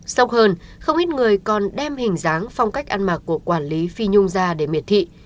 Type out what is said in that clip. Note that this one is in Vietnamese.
sốc hơn không ít người còn đem hình dáng phong cách ăn mặc của quản lý phi nhung gia để miệt thị